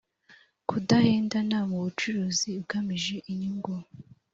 kudahendana mu bucuruzi ugamije inyungu.